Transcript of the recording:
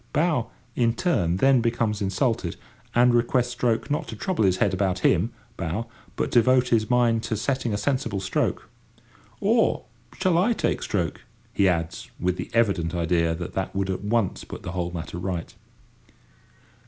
Bow, in turn, then becomes insulted, and requests stroke not to trouble his head about him (bow), but to devote his mind to setting a sensible stroke. [Picture: Two novices in a boat] "Or, shall I take stroke?" he adds, with the evident idea that that would at once put the whole matter right.